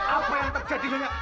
apa yang terjadi nyonya